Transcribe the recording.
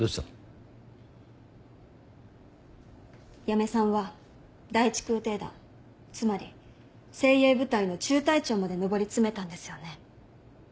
八女さんは第１空挺団つまり精鋭部隊の中隊長まで上り詰めたんですよね。